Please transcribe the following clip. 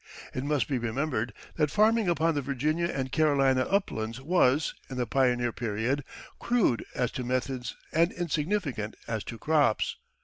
It must be remembered that farming upon the Virginia and Carolina uplands was, in the pioneer period, crude as to methods and insignificant as to crops.